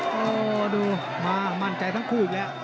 โอ้โหดูมามั่นใจทั้งคู่อีกแล้ว